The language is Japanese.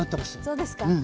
そうですか。